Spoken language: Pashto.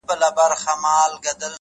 • او پر خره باندي یې پیل کړل ګوزارونه,